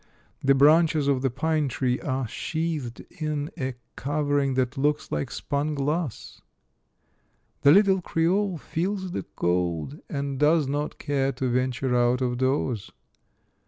The branches of the pine tree are sheathed in a cover ing that looks like spun glass. The little creole 302 Monday Tales, feels the cold, and does not care to venture out of doors.